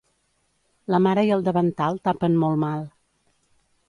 La mare i el davantal tapen molt mal.